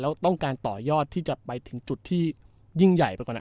แล้วต้องการต่อยอดที่จะไปถึงจุดที่ยิ่งใหญ่ไปกว่านั้น